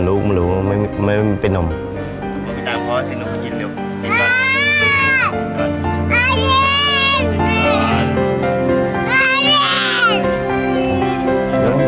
ลูกมันรู้รู้ให้มันไม่มีไปนม